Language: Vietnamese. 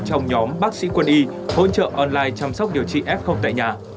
trong nhóm bác sĩ quân y hỗ trợ online chăm sóc điều trị f tại nhà